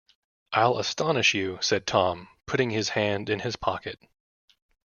‘“I’ll astonish you,” said Tom, putting his hand in his pocket.